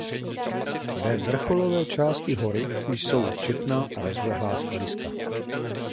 Ve vrcholové části hory jsou četná a rozlehlá skaliska.